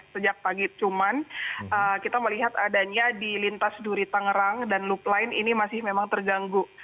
sejak pagi cuman kita melihat adanya di lintas duri tangerang dan loop line ini masih memang terganggu